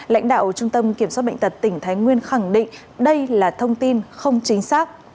lãnh đạo trung tâm kiểm soát bệnh tật tỉnh thái nguyên khẳng định đây là thông tin không chính xác